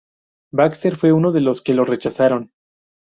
Baxter fue uno de los que lo rechazaron.